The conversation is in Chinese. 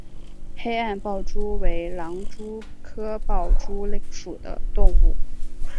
黑暗豹蛛为狼蛛科豹蛛属的动物。